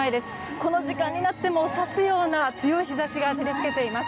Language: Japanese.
この時間になっても刺すような強い日差しが照り付けています。